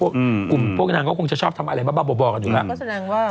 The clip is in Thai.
กลุ่มพวกนางก็คงจะชอบทำอะไรบ้าบ่อกันอยู่แล้ว